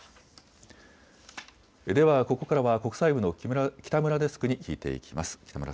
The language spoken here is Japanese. では、ここからは国際部の北村デスクに聞いていきます。